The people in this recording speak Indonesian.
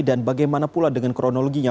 dan bagaimana pula dengan kronologinya